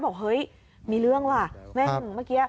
บอกเฮ้ยมีเรื่องว่ะแม่งเมื่อกี้